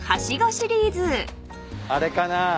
あれかな？